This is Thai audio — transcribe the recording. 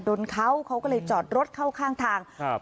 โดนเขาเขาก็เลยจอดรถเข้าข้างทางครับ